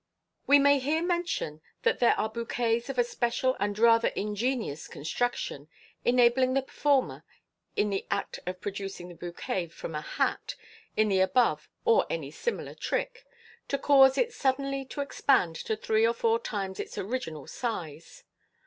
We may here mention that there are bouquets of a special and rather ingenious construction, enabling the performer, in the act of producing the bouquet from a hat in the above or any similar trick, to cause it suddenly to expand to three or four times its original size.